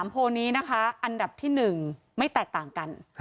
โพลนี้นะคะอันดับที่๑ไม่แตกต่างกัน